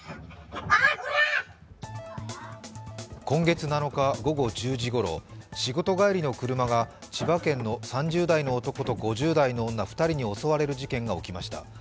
今月７日午後１０時頃、仕事帰りの車が千葉県の３０代の男と５０代の女２人に襲われる事件がありました。